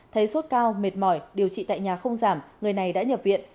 thấy sốt cao mệt mỏi điều trị tại nhà không giảm người này đã nhập viện